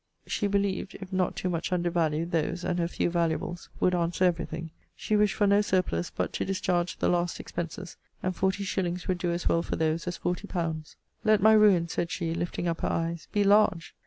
She believed, if not too much undervalued, those, and her few valuables, would answer every thing. She wished for no surplus but to discharge the last expenses; and forty shillings would do as well for those as forty pounds. 'Let my ruin, said she, lifting up her eyes, be LARGE!